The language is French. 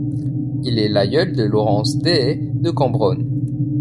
Il est l'aïeul de Laurence Deshayes de Cambronne.